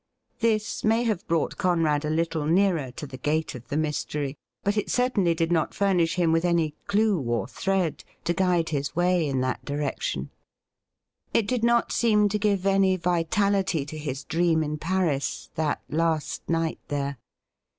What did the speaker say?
This may have brought Conrad a little nearer to the gate of the mystery, but it certainly did not furnish him with any clue or thread to guide his way in that direction. It did not seem to give any vitality to his dream in Paris — ^that last night there.